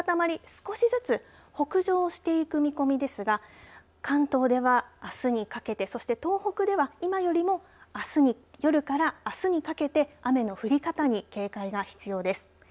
少しずつ北上していく見込みですが関東ではあすにかけてそして東北では、今よりも夜からあすにかけて雨の降り方に警戒が必要です。